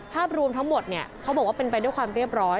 ภาพรวมทั้งหมดเขาบอกว่าเป็นไปด้วยความเรียบร้อย